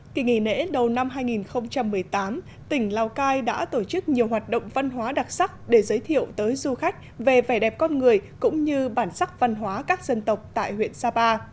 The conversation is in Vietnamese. kỳ nghỉ lễ đầu năm hai nghìn một mươi tám tỉnh lào cai đã tổ chức nhiều hoạt động văn hóa đặc sắc để giới thiệu tới du khách về vẻ đẹp con người cũng như bản sắc văn hóa các dân tộc tại huyện sapa